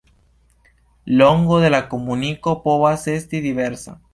Longo de la komuniko povas esti diversa.